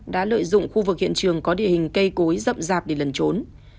đã lợi dụng khu vực hiện trường có địa hình cây cối rậm rạp để lần trốn